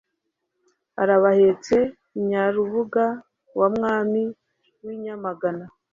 Arabahetse Inyarubuga wa Mwami w,I Nyamagana